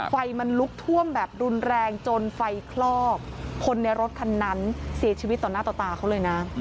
ไฟมันลุกท่วมแบบรุนแรงจนไฟคลอกคนในรถคันนั้นเสียชีวิตต่อหน้าต่อตาเขาเลยนะ